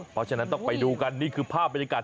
เพราะฉะนั้นต้องไปดูกันนี่คือภาพบรรยากาศ